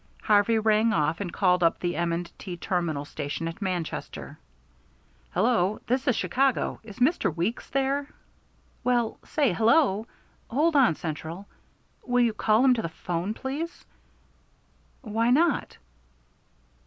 Harvey rang off and called up the M. & T. terminal station at Manchester. "Hello. This is Chicago. Is Mr. Weeks there?" "Well say, hello! Hold on, central! Will you call him to the 'phone, please?" "Why not?"